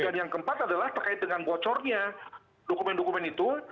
dan yang keempat adalah terkait dengan bocornya dokumen dokumen itu